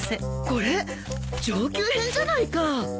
これ上級編じゃないか。